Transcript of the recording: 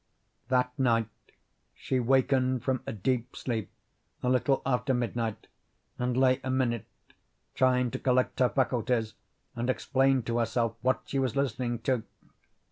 That night she wakened from a deep sleep a little after midnight and lay a minute trying to collect her faculties and explain to herself what she was listening to.